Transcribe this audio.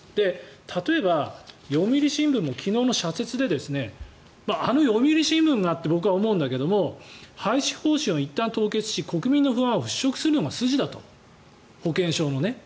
例えば、読売新聞も昨日の社説であの読売新聞がって僕は思うんだけど廃止方針をいったん凍結し国民の不安を払しょくするのが筋だと保険証のね。